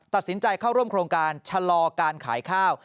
ตัดสินใจเข้าร่วมโครงการชะลอการขายข้าว